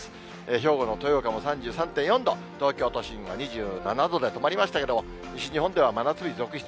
兵庫の豊岡も３３．４度、東京都心が２７度で止まりましたけれども、西日本では真夏日続出。